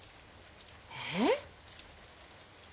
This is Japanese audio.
えっ？